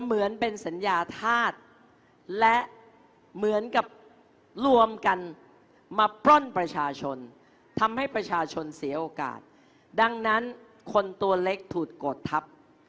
เหมือนเป็นสัญญาธาตุและเหมือนกับรวมกันมาปล้นประชาชนทำให้ประชาชนเสียโอกาสดังนั้นคนตัวเล็กถูกกดทับ